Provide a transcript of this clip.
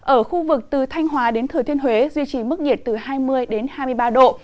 ở khu vực từ thanh hóa đến thừa thiên huế duy trì mức nhiệt từ hai mươi hai mươi ba độ